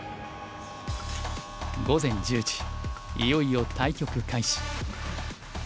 午前１０時いよいよ対局開始。